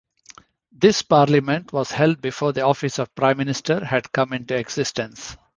This Parliament was held before the office of Prime Minister had come into existence.